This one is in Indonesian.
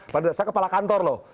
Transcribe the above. saya kepala kantor loh